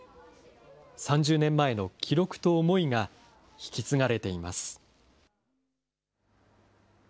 ３０年前の記録と思いが引き継がれています。